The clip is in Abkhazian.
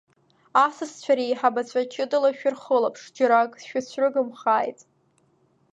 Асасцәа реиҳабацәа ҷыдала шәырхылаԥш, џьара ак шәыцәрыгымхааит.